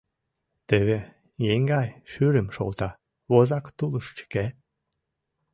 Теве еҥгай шӱрым шолта, возак тулыш чыке.